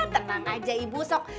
tenang aja ibu sok